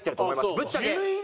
ぶっちゃけ。